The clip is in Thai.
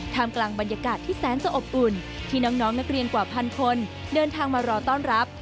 กลางบรรยากาศที่แสนจะอบอุ่นที่น้องนักเรียนกว่าพันคนเดินทางมารอต้อนรับ